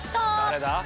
誰だ？